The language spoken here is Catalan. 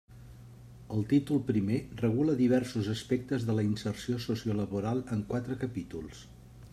El títol primer regula diversos aspectes de la inserció sociolaboral en quatre capítols.